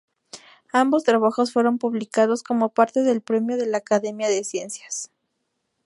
Ambos trabajos fueron publicados como parte del Premio de la Academia de Ciencias.